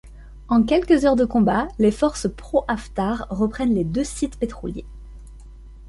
En quelques heures de combats, les forces pro-Haftar reprennent les deux sites pétroliers.